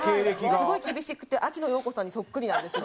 すごい厳しくて秋野暢子さんにそっくりなんですよ。